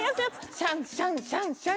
シャンシャンシャンシャン。